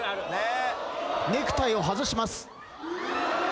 ネクタイを外します。